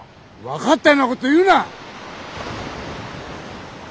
分かったようなことを言うな！